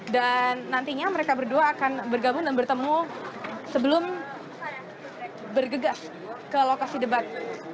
dan nantinya mereka berdua akan bergabung dan bertemu sebelum bergegas ke lokasi debat